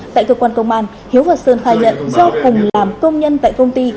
tại cơ quan công an hiếu và sơn khai nhận do cùng làm công nhân tại công ty